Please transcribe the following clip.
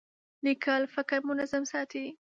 لیکل فکر منظم ساتي.